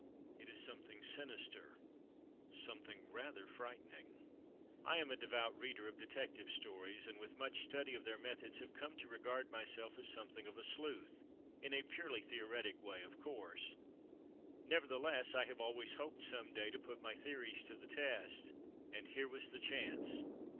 It is something sinister—something rather frightening. I am a devout reader of detective stories and with much study of their methods have come to regard myself as something of a sleuth, in a purely theoretic way of course; nevertheless I have always hoped some day to put my theories to the test, and here was the chance.